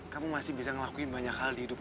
kamu masih bisa ngelakuin banyak hal di hidup